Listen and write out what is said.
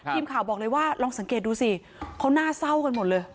บอกเลยว่าลองสังเกตดูสิเขาน่าเศร้ากันหมดเลย